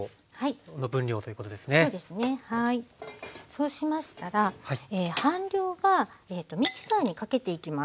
そうしましたら半量はミキサーにかけていきます。